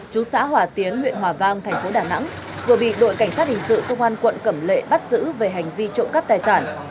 tuy nhiên huyện hòa vang thành phố đà nẵng vừa bị đội cảnh sát hình sự công an quận cẩm lệ bắt giữ về hành vi trộn cắp tài sản